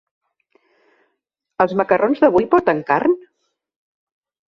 Els macarrons d'avui porten carn?